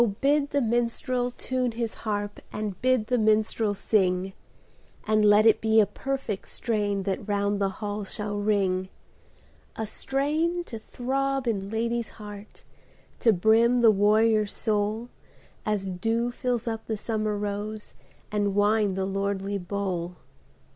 BID the minstrel tune his haxp, And bid the minstrel sing; And let it be a perfect strain That round the hall shall ring : A strain to throb in lad/s heart, To brim the warrior's soul. As dew fills up the summer rose And wine the lordly bowl